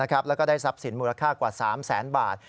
และได้ทรัพย์สินมูลค่ากว่า๓๐๐๐๐๐บาท